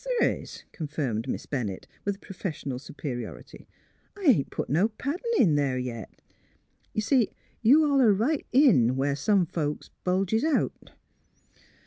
" Course the' is," confirmed Miss Bennett, with professional superiority. ^' I ain't put no paddin* in there yet. Y' see, you holler right in where some folks bulges out."